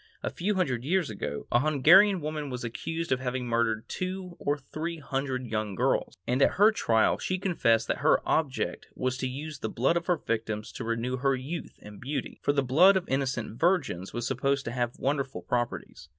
A few hundred years ago, a Hungarian woman was accused of having murdered two or three hundred young girls, and at her trial she confessed that her object was to use the blood of her victims to renew her youth and beauty, for the blood of innocent virgins was supposed to have wonderful properties.